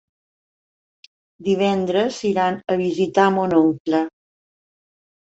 Divendres iran a visitar mon oncle.